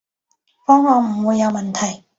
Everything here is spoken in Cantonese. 方案唔會有問題